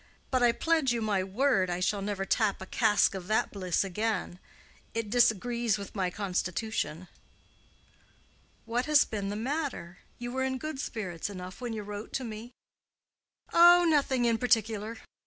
But I pledge you my word I shall never tap a cask of that bliss again. It disagrees with my constitution." "What has been the matter? You were in good spirits enough when you wrote to me." "Oh, nothing in particular.